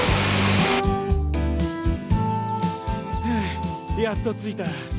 ふうやっと着いた。